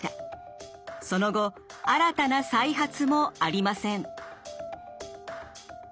その後新たな再発もありません。